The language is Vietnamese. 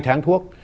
hai tháng thuốc